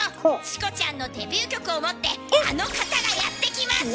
チコちゃんのデビュー曲を持ってあの方がやって来ます！